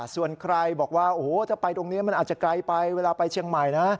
ส่วนใครบอกว่าโอ้โหถ้าไปตรงนี้มันอาจจะไกลไปเวลาไปเชียงใหม่นะ